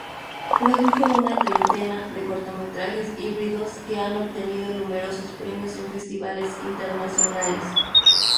Produjo una treintena de cortometrajes híbridos que han obtenido numerosos premios en festivales internacionales.